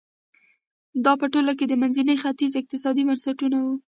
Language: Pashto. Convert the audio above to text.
دا په ټوله کې د منځني ختیځ اقتصادي بنسټونه وو.